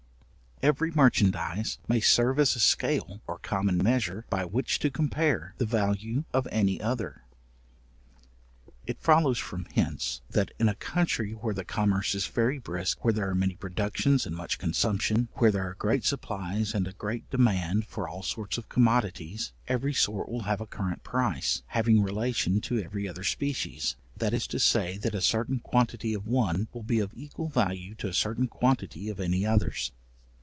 Every merchandize may serve as a scale or common measure, by which to compare the value of any other. It follows from hence, that in a country where the commerce is very brisk, where there are many productions and much consumption, where there are great supplies and a great demand for all sorts of commodities, every sort will have a current price, having relation to every other species; that is to say, that a certain quantity of one will be of equal value to a certain quantity of any others.